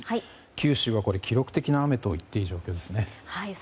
九州は記録的な雨といっていい状況ですね。